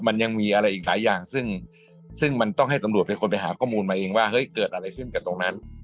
มันยังมีอะไรอีกหลายอย่างซึ่งมันต้องให้ตำรวจเป็นคนไปหาข้อมูลมาเองว่าเฮ้ยเกิดอะไรขึ้นกับตรงนั้น